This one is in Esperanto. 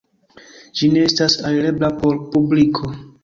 Ĝi ne estas alirebla por publiko.